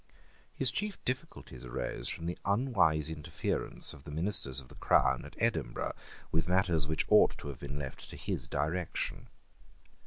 His chief difficulties arose from the unwise interference of the ministers of the Crown at Edinburgh with matters which ought to have been left to his direction.